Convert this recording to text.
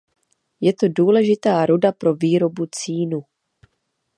Je to důležitá ruda pro výrobu cínu.